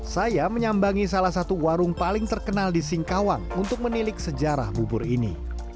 saya menyambangi salah satu warung paling terkenal di singkawang untuk menilik sejarah bubur ini